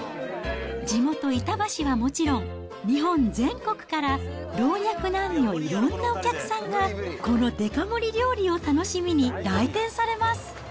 地元、板橋はもちろん、日本全国から老若男女いろんなお客さんが、このデカ盛り料理を楽しみに来店されます。